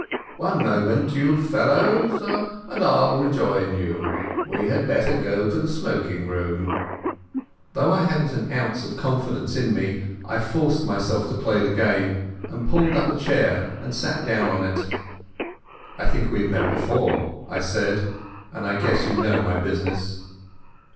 One moment, you fellows, and I'll rejoin you. We had better go to the smoking room." Though I hadn't an ounce of confidence in me, I forced myself to play the game. I pulled up a chair and sat down on it. "I think we have met before," I said, "and I guess you know my business."